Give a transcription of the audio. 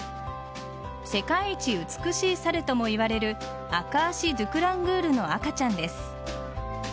世界一美しい猿ともいわれるアカアシドゥクラングールの赤ちゃんです。